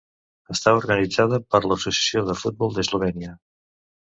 Està organitzada per l'Associació de Futbol d'Eslovènia.